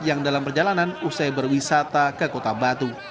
yang dalam perjalanan usai berwisata ke kota batu